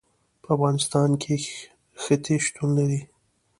په افغانستان کې ښتې شتون لري.